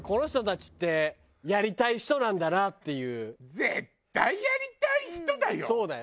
絶対やりたい人だよ。